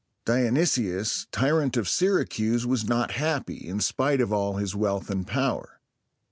Dionysius, tyrant of Syracuse, was not happy, in spite of all his wealth and power.